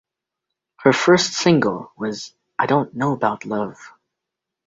Her first single was "I Don't Know About Love".